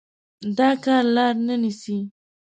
دا کار لار نه نيسي.